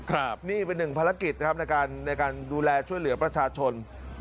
ครับนี่เป็นหนึ่งภารกิจนะครับในการในการดูแลช่วยเหลือประชาชน